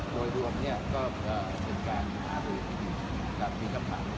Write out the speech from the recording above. โดยรวมก็เกิดขึ้นการประโยชน์อยู่ด้านพิพันธ์